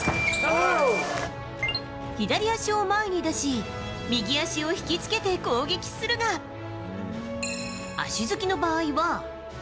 左足を前に出し右足を引きつけて攻撃するが足突きの場合は。